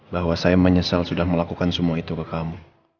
bahwa saya menyesal sudah melakukan semua itu ke kamu